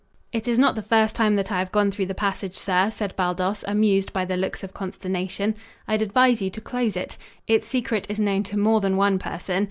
"It is not the first time that I have gone through the passage, sir," said Baldos, amused by the looks of consternation. "I'd advise you to close it. Its secret is known to more than one person.